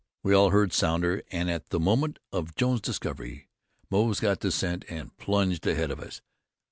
We all heard Sounder, and at the moment of Jones's discovery, Moze got the scent and plunged ahead of us.